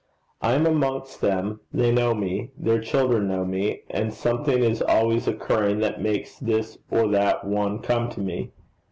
I am amongst them; they know me; their children know me; and something is always occurring that makes this or that one come to me.